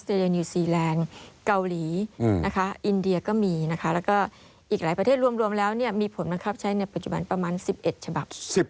ถึงรวมแล้วนี่มีผลบังคับใช้ประจบันประมาณ๑๑ฉบัติ